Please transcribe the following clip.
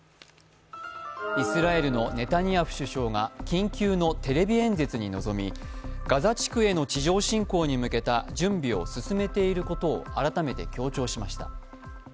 イスラエルのネタニヤフ首相が緊急のテレビ演説に臨み、ガザ地区への地上侵攻に向けた準備を進めていることを改めて強調しました。